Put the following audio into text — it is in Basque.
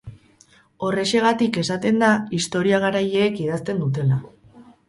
Horrexegatik esaten da historia garaileek idazten dutela.